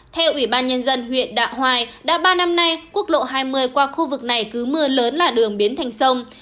theo ủy ban nhân dân huyện đạ hoài đã ba năm nay quốc lộ hai mươi qua khu vực này cứ mưa lớn là đường biến thành sông